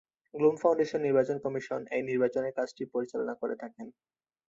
GNOME Foundation নির্বাচন কমিশন এই নির্বাচনের কাজটি পরিচালনা করে থাকেন।